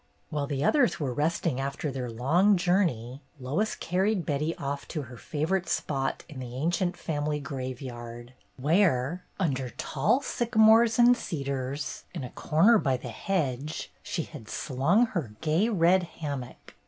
While the others were resting after their THIS WAY FOR MARYLAND! 279 long journey, Lois carried Betty off to her favorite spot in the ancient family graveyard, where, under tall sycamores and cedars, in a corner by the hedge, she had slung her gay red hammock.